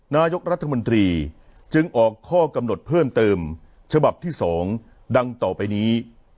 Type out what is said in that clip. นายกรัฐมนตรีจึงออกข้อกำหนดเพิ่มเติมฉบับที่๒ดังต่อไปนี้